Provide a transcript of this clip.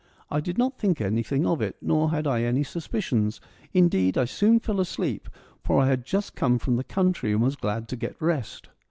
I did not think anything of it, nor had I any suspicions : indeed, I soon fell asleep, for I had just come from the country and was glad to get rest.